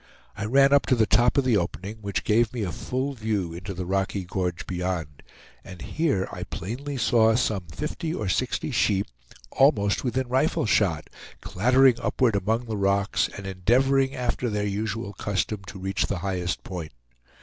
I ran up to the top of the opening, which gave me a full view into the rocky gorge beyond; and here I plainly saw some fifty or sixty sheep, almost within rifle shot, clattering upward among the rocks, and endeavoring, after their usual custom, to reach the highest point.